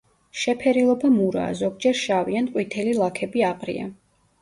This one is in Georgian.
შეფერილობა მურაა, ზოგჯერ შავი ან ყვითელი ლაქები აყრია.